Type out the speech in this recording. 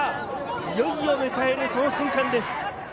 いよいよ迎えるその瞬間です。